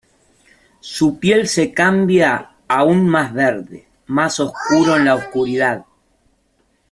Su piel se cambia a un más verde más oscuro en la oscuridad.